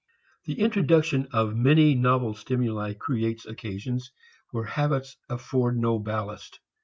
The introduction of many novel stimuli creates occasions where habits afford no ballast.